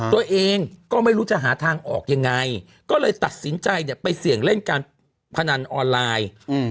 ตัวเองก็ไม่รู้จะหาทางออกยังไงก็เลยตัดสินใจเนี่ยไปเสี่ยงเล่นการพนันออนไลน์